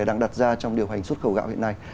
đang đặt ra trong điều hành xuất khẩu gạo hiện nay